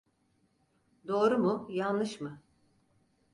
Doğru mu yanlış mı?